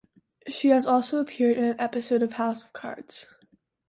She has also appeared in an episode of "House of Cards".